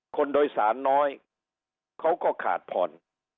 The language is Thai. คนโดยสารน้อยเขาก็ขาดผ่อน